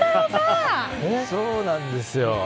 そうなんですよ。